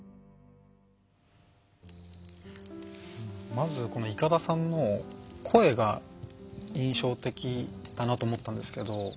まずいかださんの声が印象的だなと思ったんですけど